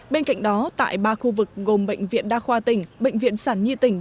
bên cạnh đó tại ba khu vực gồm bệnh viện đa khoa tỉnh bệnh viện sản nhi tỉnh